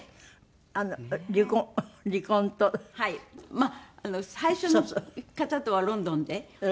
まあ最初の方とはロンドンで。